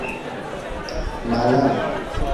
malamo